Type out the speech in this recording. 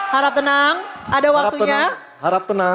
harap tenang ada waktunya